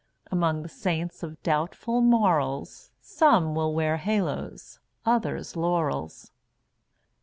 Among the Saints of doubtful morals Some will wear halos, others laurels.